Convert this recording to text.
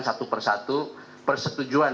satu persatu persetujuan